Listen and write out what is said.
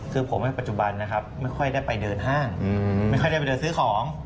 คือผมภาษาปัจจุบันไม่ค่อยได้ไปเดินห้างไม่ค่อยได้ไปซื้อของ